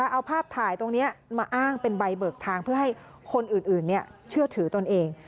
เอาภาพถ่ายตรงนี้มาอ้างเป็นใบเบิกทางเพื่อให้คนอื่นเชื่อถือตนเอง